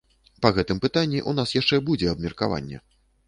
Па гэтым пытанні ў нас яшчэ будзе абмеркаванне.